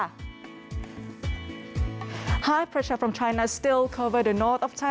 ความความความสุดของประเทศจีนยังเห็นที่สุดของประเทศไทย